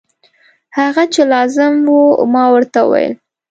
هغه چې لازم و ما درته وویل.